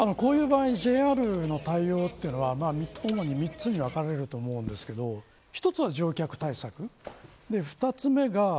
こういう場合ＪＲの対応というのは主に三つに分かれると思うんですけど一つは乗客対策